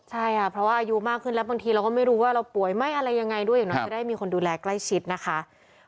ใช่ค่ะเพราะว่าอายุมากขึ้นแล้วบางทีเราก็ไม่รู้ว่าเราป่วยไหมอะไรยังไงด้วยอย่างน้อยจะได้มีคนดูแลใกล้ชิดนะคะ